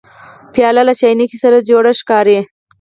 پیاله له چاینکي سره جوړه ښکاري.